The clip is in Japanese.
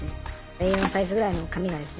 Ａ４サイズぐらいの紙がですね